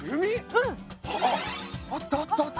うん。あったあったあった。